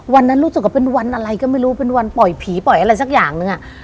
รู้สึกว่าเป็นวันอะไรก็ไม่รู้เป็นวันปล่อยผีปล่อยอะไรสักอย่างนึงอ่ะ